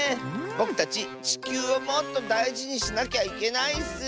ぼくたちちきゅうをもっとだいじにしなきゃいけないッス！